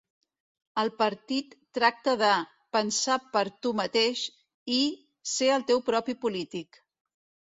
El partit tracta de "pensar per tu mateix" i "ser el teu propi polític".